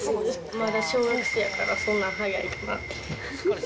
まだ小学生やから、そんなん早いかなって。